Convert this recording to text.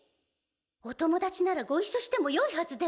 お友達ならご一緒してもよいはずでは？